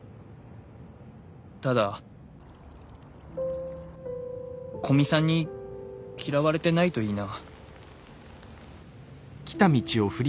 ただ古見さんに嫌われてないといいな。